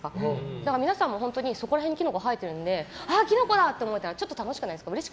だから皆さんもそこら辺にキノコ生えているのであ、キノコだ！って思ったら楽しくないですか？